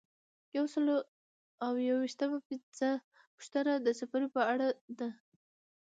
یو سل او یو ویشتمه پوښتنه د سفریې په اړه ده.